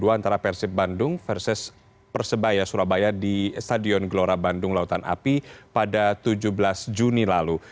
antara persib bandung versus persebaya surabaya di stadion gelora bandung lautan api pada tujuh belas juni lalu